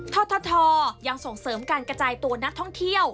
ททยังส่งเสริมการกระจายตัวนักท่องเที่ยว